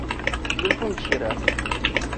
Sgunfumt kra.